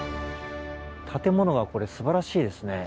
建物がこれすばらしいですね。